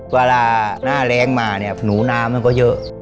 เวลาหน้าแรงมาเนี่ยหนูน้ำมันก็เยอะ